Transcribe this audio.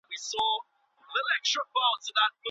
څنګه د ناوي کور ته سوغاتونه وړل کيږي؟